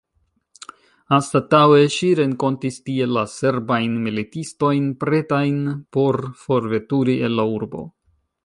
Anstataŭe, ŝi renkontis tie la serbajn militistojn, pretajn por forveturi el la urbo.